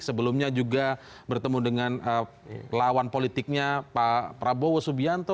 sebelumnya juga bertemu dengan lawan politiknya pak prabowo subianto